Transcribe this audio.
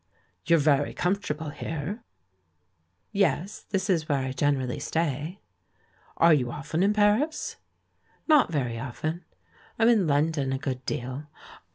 "You're very comfortable here." "Yes; this is where I generally stay." "Are you often in Paris?" "Not very often; I'm in London a good deal."